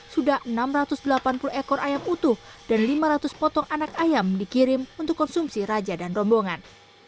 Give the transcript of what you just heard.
sudah enam ratus delapan puluh ekor ayam utuh dan lima ratus potong anak ayam dikirim untuk konsumsi raja dan rombongan